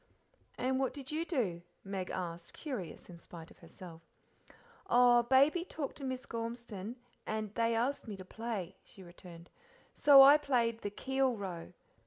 "And what did you do?" Meg asked, curious in spite of herself. "Oh, Baby talked to Miss Gormeston, and they asked me to play," she returned, "so I played the 'Keel Row.'